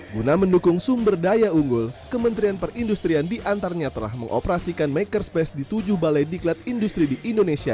guna mendukung sumber daya unggul kementerian perindustrian diantaranya telah mengoperasikan makerspace di tujuh balai diklat industri di indonesia